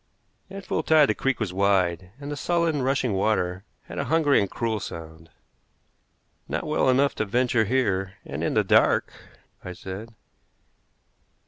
At full tide the creek was wide, and the sullen, rushing water had a hungry and cruel sound. "Not well enough to venture here, and in the dark," I said.